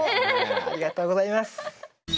ありがとうございます。